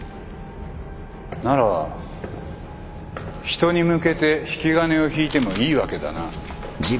なら人に向けて引き金を引いてもいいわけだな。